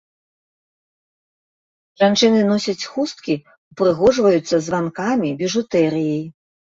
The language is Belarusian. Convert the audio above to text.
Жанчыны носяць хусткі, упрыгожваюцца званкамі, біжутэрыяй.